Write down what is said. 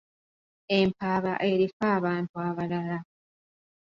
Empaaba eriko abantu abalala.